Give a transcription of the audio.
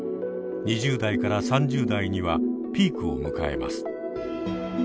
２０代から３０代にはピークを迎えます。